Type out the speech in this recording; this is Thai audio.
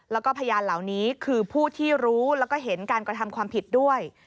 แล้วก็พยานเหล่านี้คือผู้ที่รู้แล้วก็เห็นการกระทำความผิดด้วย